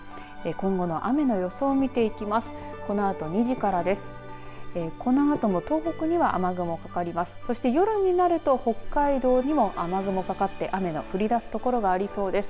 今後の雨を予想を見ていきます。